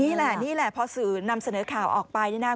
นี่แหละนี่แหละพอสื่อนำเสนอข่าวออกไปเนี่ยนะ